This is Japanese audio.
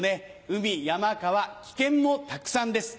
海山川危険もたくさんです。